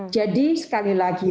jadi sekali lagi